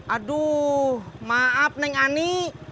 aduh maaf neng ani